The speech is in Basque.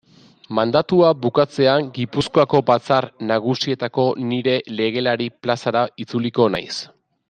Mandatua bukatzean Gipuzkoako Batzar Nagusietako nire legelari plazara itzuliko naiz.